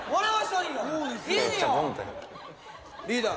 リーダー